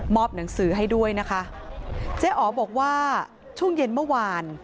หนังสือให้ด้วยนะคะเจ๊อ๋อบอกว่าช่วงเย็นเมื่อวาน